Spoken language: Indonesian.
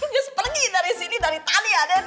just pergi dari sini dari tadi ya den